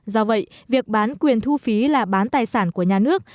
do vậy việc bán quyền thu phí là bán tài sản của nhà nước